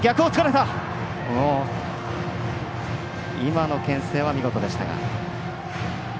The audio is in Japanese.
今のけん制は見事でした。